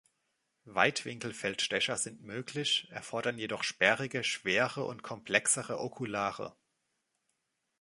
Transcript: Weitwinkel-Feldstecher sind möglich, erfordern jedoch sperrigere, schwerere und komplexere Okulare.